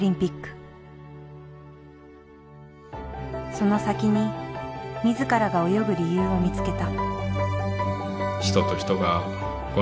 その先に自らが泳ぐ理由を見つけた。